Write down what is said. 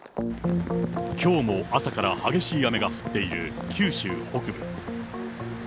きょうも朝から激しい雨が降っている九州北部。